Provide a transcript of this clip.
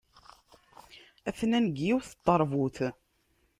Atnan deg yiwet n teṛbut.